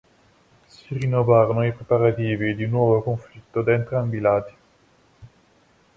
Si rinnovarono i preparativi di un nuovo conflitto da entrambi i lati.